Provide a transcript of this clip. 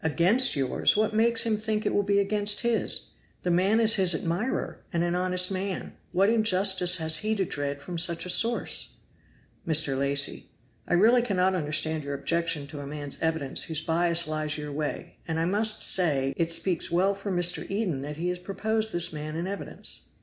"Against yours? what makes him think it will be against his? The man is his admirer, and an honest man. What injustice has he to dread from such a source?" Mr. Lacy. "I really cannot understand your objection to a man's evidence whose bias lies your way; and I must say, it speaks well for Mr. Eden that he has proposed this man in evidence."